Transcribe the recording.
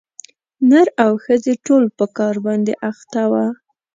نر او ښځي ټول په کار باندي اخته وه